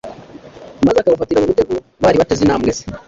maze akabafatira mu mutego bari bateze intambwe ze.